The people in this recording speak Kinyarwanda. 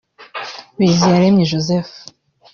Biziyaremye Joseph